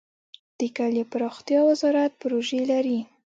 د کلیو پراختیا وزارت پروژې لري؟